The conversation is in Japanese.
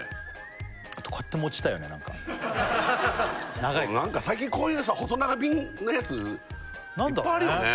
長いからなんか最近こういうさ細長瓶のやついっぱいあるよね